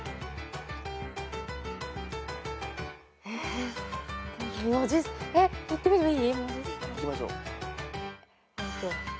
えっ。